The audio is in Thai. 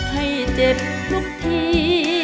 ให้เจ็บทุกที